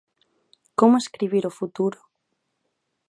Como escribir o futuro?